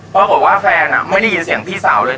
พ่อบอกว่าแฟนอะไม่ได้ยินเสียงพี่สาวเลย